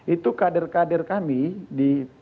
itu kader kader kami di